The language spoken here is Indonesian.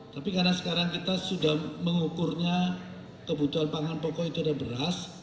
tapi karena sekarang kita sudah mengukurnya kebutuhan pangan pokok itu ada beras